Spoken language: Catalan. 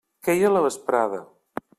Queia la vesprada.